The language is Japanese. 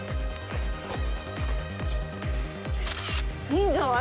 いいんじゃない？